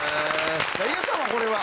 井桁さんはこれは？